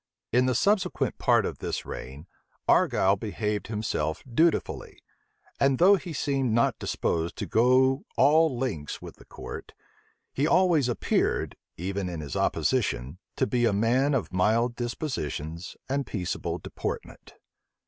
In the subsequent part of this reign, Argyle behaved himself dutifully; and though he seemed not disposed to go all lengths with the court, he always appeared, even in his opposition, to be a man of mild dispositions and peaceable deportment.